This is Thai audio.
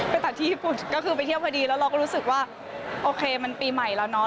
ตัดที่ญี่ปุ่นก็คือไปเที่ยวพอดีแล้วเราก็รู้สึกว่าโอเคมันปีใหม่แล้วเนาะ